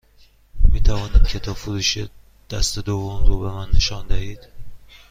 می توانید کتاب فروشی دست دوم رو به من نشان دهید؟